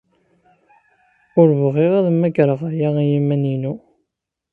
Ur bɣiɣ ad mmagreɣ aya i yiman-inu.